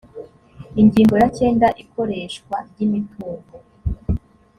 ingingo ya cyenda ikoreshwa ry imitungo